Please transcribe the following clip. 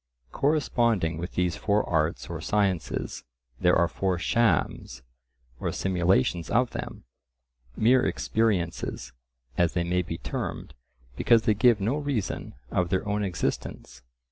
Corresponding with these four arts or sciences there are four shams or simulations of them, mere experiences, as they may be termed, because they give no reason of their own existence.